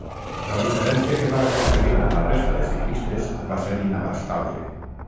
La diferència que va aconseguir amb la resta de ciclistes, va ser inabastable.